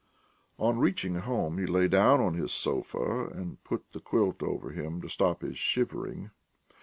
On reaching home he lay down on his sofa and put the quilt over him to stop his shivering.